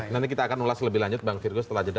nanti kita akan ulas lebih lanjut bang virgo setelah jeda